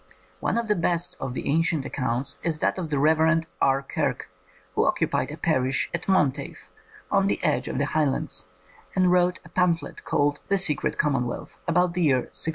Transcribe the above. One of the best of the ancient accounts is that of the Rev. R. Kirk, who occupied a parish at Monteith, on the edge of the High lands, and wrote a pamphlet called The Secret Commomvealth, about the year 1680.